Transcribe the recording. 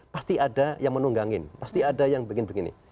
pasti ada yang menunggangi pasti ada yang begini begini